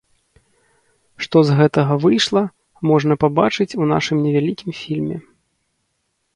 Што з гэтага выйшла, можна пабачыць у нашым невялікім фільме.